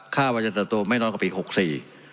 ค่าวัยกระตุศัพท์โตไม่น้อยกว่าปีหกสี่